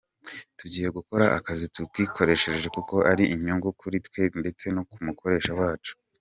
Tugiye gukora akazi tutikoresheje kuko ari inyungu kuri twe ndetse no ku mukoresha wacu.